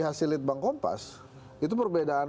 hasilit bang kompas itu perbedaan